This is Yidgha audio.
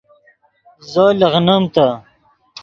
زو لیغنیم تے